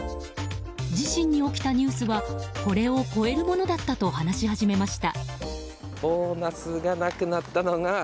自身に起きたニュースはこれを超えるものだったと話し始めました。